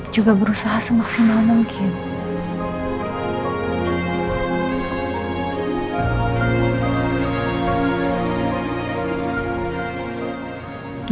juga berusaha semaksimal mungkin